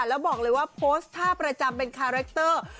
แล้วบอกเลยว่าโพสต์ท่าประจำเป็นคาแรคเตอร์